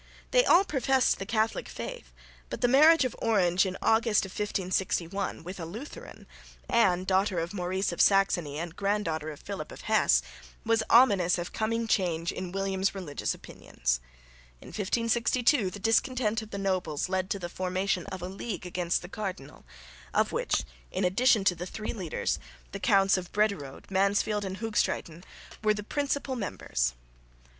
They all professed the Catholic faith, but the marriage of Orange in August, 1561, with a Lutheran, Anne daughter of Maurice of Saxony and granddaughter of Philip of Hesse, was ominous of coming change in William's religious opinions. In 1562 the discontent of the nobles led to the formation of a league against the cardinal, of which, in addition to the three leaders, the Counts of Brederode, Mansfeld and Hoogstraeten were the principal members.